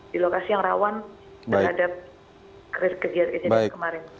di lokasi yang rawan terhadap kegiatan ini dari kemarin